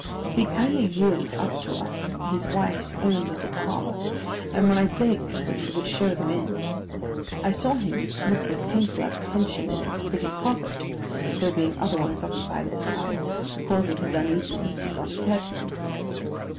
He had kindly yielded up to us his wife's own little parlour, and when I begged that he would show them in, I saw him look with painful apprehension at its pretty carpet; though, being otherwise occupied at the time, the cause of his uneasiness did not occur to me.